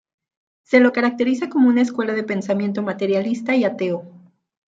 Se lo caracteriza como una escuela de pensamiento materialista y ateo.